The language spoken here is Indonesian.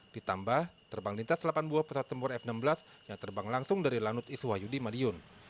ditambah terbang lintas delapan buah pesawat tempur f enam belas yang terbang langsung dari lanut iswah yudi madiun